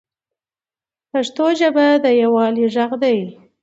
پښتو ژبه د یووالي ږغ دی.